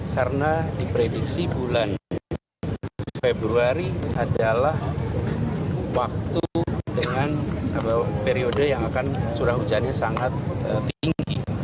karena diprediksi bulan februari adalah waktu dengan periode yang akan curah hujannya sangat tinggi